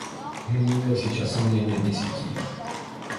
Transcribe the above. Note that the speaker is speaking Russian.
Но сейчас у меня нет десяти.